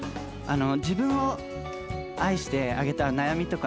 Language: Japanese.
自分を愛してあげたら悩みとか